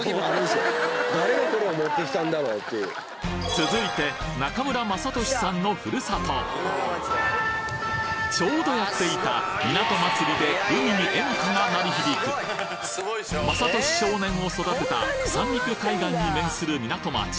続いて中村雅俊さんのふるさとちょうどやっていたみなと祭りで海に演歌が鳴り響く雅俊少年を育てた三陸海岸に面する港町